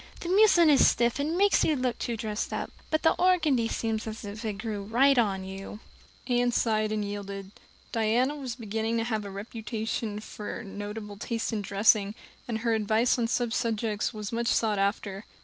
The muslin is stiff, and makes you look too dressed up. But the organdy seems as if it grew on you." Anne sighed and yielded. Diana was beginning to have a reputation for notable taste in dressing, and her advice on such subjects was much sought after.